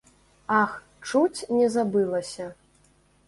Ах, чуць не забылася.